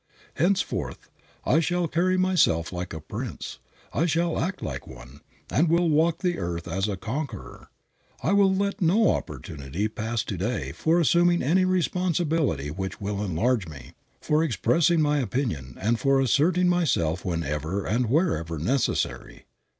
Henceforth I shall carry myself like a prince. I will act like one, and will walk the earth as a conqueror. I will let no opportunity pass to day for assuming any responsibility which will enlarge me, for expressing my opinion, for asserting myself whenever and wherever necessary.